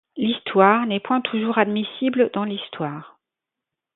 L’histoire n’est point toujours admissible dans l’histoire.